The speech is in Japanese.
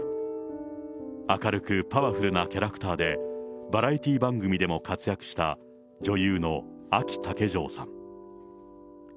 明るくパワフルなキャラクターで、バラエティー番組でも活躍した、女優のあき竹城さん。